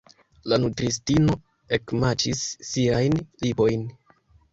La nutristino ekmaĉis siajn lipojn.